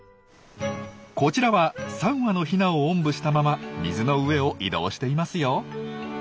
こちらは３羽のヒナをおんぶしたまま水の上を移動していますよ。